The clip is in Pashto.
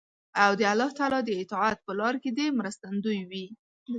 او د الله تعالی د اطاعت په لار کې دې مرستندوی وي.